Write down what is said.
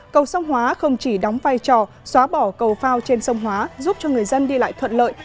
cầu sông hóa không chỉ đóng vai trò xóa bỏ cầu phao trên sông hóa giúp cho người dân đi lại thuận lợi